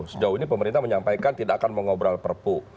sejauh ini pemerintah menyampaikan tidak akan mengobrol perpu